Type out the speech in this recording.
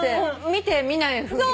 見て見ないふり。